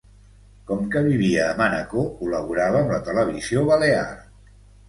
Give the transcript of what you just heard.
Com que vivia a Manacor, col·laborava amb la televisió balear.